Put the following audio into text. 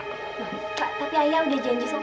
pak tapi ayah udah janji sama